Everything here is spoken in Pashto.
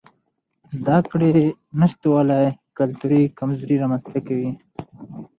د زده کړې نشتوالی کلتوري کمزوري رامنځته کوي.